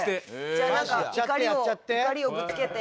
じゃあなんか怒りをぶつけて。